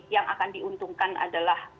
yang akan diuntungkan adalah